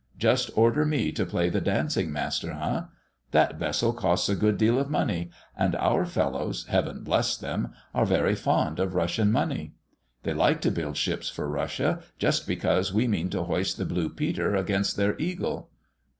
Just order me to play the dancing master, eh? That vessel costs a good deal of money, and our fellows Heaven bless them! are very fond of Russian money. They like to build ships for Russia, just because we mean to hoist the Blue Peter against their Eagle.